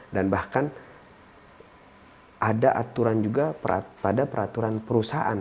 dan bahkan ada aturan juga pada peraturan perusahaan